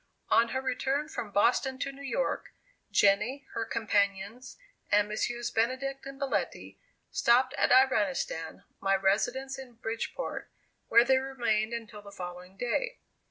On her return from Boston to New York, Jenny, her companion, and Messrs. Benedict and Belletti, stopped at Iranistan, my residence in Bridgeport, where they remained until the following day.